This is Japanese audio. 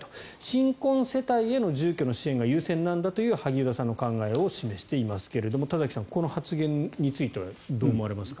新婚世帯への住居の支援が優先なんだという萩生田さんの考えを示していますが田崎さん、この発言についてはどう思われますか？